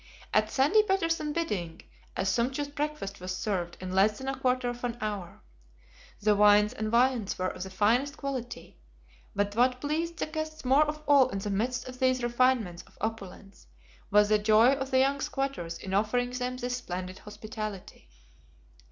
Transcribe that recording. At Sandy Patterson's bidding, a sumptuous breakfast was served in less than a quarter of an hour. The wines and viands were of the finest quality; but what pleased the guests most of all in the midst of these refinements of opulence, was the joy of the young squatters in offering them this splendid hospitality.